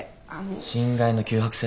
侵害の急迫性？